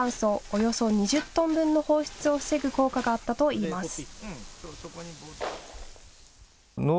およそ２０トン分の放出を防ぐ効果があったといいます。